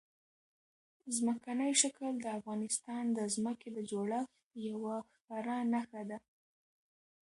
ځمکنی شکل د افغانستان د ځمکې د جوړښت یوه ښکاره نښه ده.